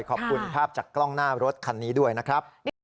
ขอบคุณภาพจากกล้องหน้ารถคันนี้ด้วยนะครับ